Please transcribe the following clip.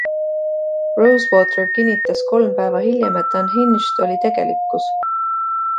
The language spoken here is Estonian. Rosewater kinnitas kolm päeva hiljem, et "Unhinged" oli tegelikkus.